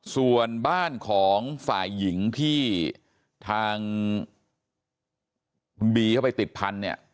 ส่วนบ้านของฝ่ายหญิงที่ทางคุณบีเข้าไปติดพันธุ์เนี่ย